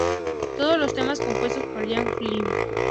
Todos los temas compuestos por Jeff Lynne.